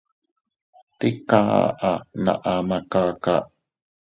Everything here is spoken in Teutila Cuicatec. Tika aʼa na ama kaka.